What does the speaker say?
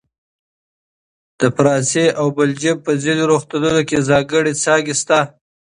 د فرانسه او بلجیم په ځینو روغتونونو کې ځانګړې څانګې شته.